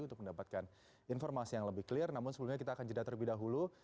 untuk mendapatkan informasi yang lebih clear namun sebelumnya kita akan jeda terlebih dahulu